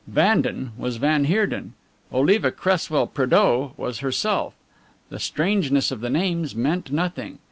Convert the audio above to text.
"Vanden" was van Heerden. "Oliva Cresswell Prédeaux" was herself. The strangeness of the names meant nothing.